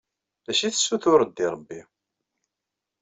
D acu i tessutureḍ deg rebbi?